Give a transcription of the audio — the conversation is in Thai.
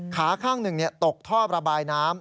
ขาข้างหนึ่งตกท่อระบายน้ำ